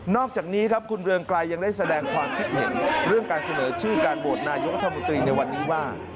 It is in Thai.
อกจากนี้ครับคุณเรืองไกรยังได้แสดงความคิดเห็นเรื่องการเสนอชื่อการโหวตนายกรัฐมนตรีในวันนี้ว่า